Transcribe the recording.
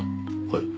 はい。